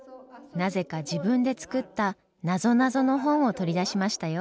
なぜか自分で作ったなぞなぞの本を取り出しましたよ。